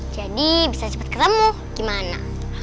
jadi bisa cepet ketemu gimana